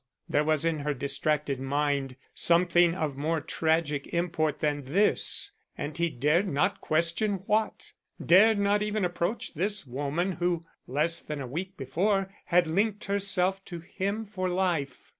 There was in her distracted mind something of more tragic import than this; and he dared not question what; dared not even approach this woman who, less than a week before, had linked herself to him for life.